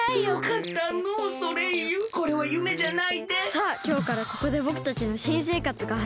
さあきょうからここでぼくたちのしんせいかつがはじまる！